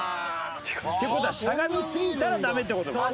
っていう事はしゃがみすぎたらダメって事か。